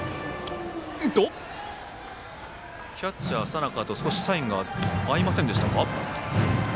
キャッチャー佐仲と少しサインが合いませんでしたか。